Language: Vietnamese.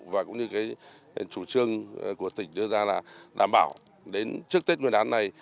và cũng như cái chủ trương của tỉnh đưa ra là đảm bảo đến trước tết nguyên đán này